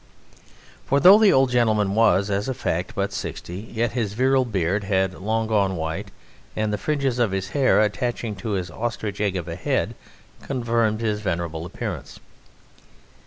For though the old gentleman was, as a fact, but sixty, yet his virile beard had long gone white and the fringes of hair attaching to his ostrich egg of a head confirmed his venerable appearance.